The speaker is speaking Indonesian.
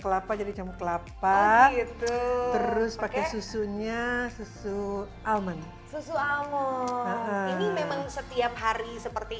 kelapa jadi camu kelapa terus pakai susunya susu almond susu almond ini memang setiap hari seperti